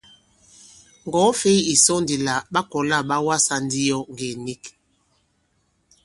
Ŋgɔ̀wɛ-fěy ì sɔ ndi àlà ɓa kɔ̀la là ɓa wasā ndi yo ngè nik.